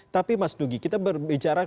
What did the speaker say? tapi mas dugi kita berbicara